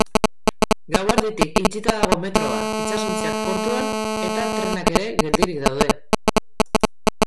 Gauerditik itxita dago metroa, itsasontziak portuan, eta trenak ere geldirik daude.